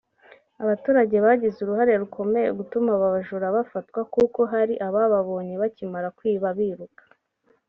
Abaturage bagize uruhare rukomeye gutuma aba bajura bafatwa kuko hari abababonye bakimara kwiba biruka